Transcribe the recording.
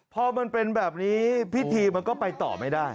พอมันเป็นแบบนี้พิธีมันก็ไปต่อไม่ได้